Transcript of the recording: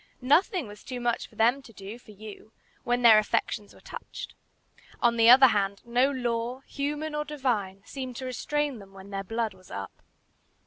Nothing was too much for them to do for you when their affections were touched. On the other hand, no law, human or divine, seemed to restrain them when their blood was up.